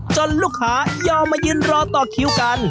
ลูกค้ายอมมายืนรอต่อคิวกัน